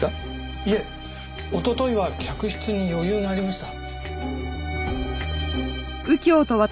いえおとといは客室に余裕がありました。